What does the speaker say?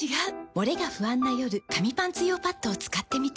モレが不安な夜紙パンツ用パッドを使ってみた。